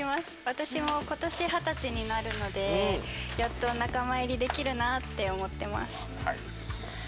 私もことし、二十歳になるのでやっと仲間入りできるなと思っています。